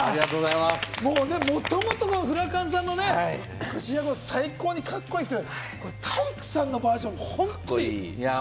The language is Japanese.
もう元々がフラカンさんのね、最高にカッコいいんですけれども、体育さんのバージョン、本当いい！